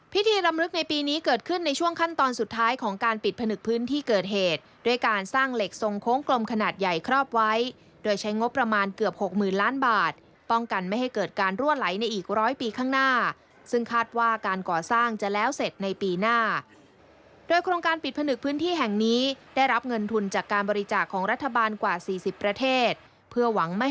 พิธีลำนึกในปีนี้เกิดขึ้นในช่วงขั้นตอนสุดท้ายของการปิดผนึกพื้นที่เกิดเหตุด้วยการสร้างเหล็กทรงโค้งกลมขนาดใหญ่ครอบไว้โดยใช้งบประมาณเกือบหกหมื่นล้านบาทป้องกันไม่ให้เกิดการรั่วไหลในอีกร้อยปีข้างหน้าซึ่งคาดว่าการก่อสร้างจะแล้วเสร็จในปีหน้าโดยโครงการปิดผนึกพื้นที่แ